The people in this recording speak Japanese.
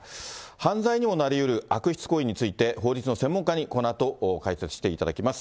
犯罪にもなりうる悪質行為について、法律の専門家に、このあと解説していただきます。